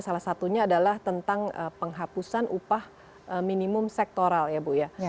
salah satunya adalah tentang penghapusan upah minimum sektoral ya bu ya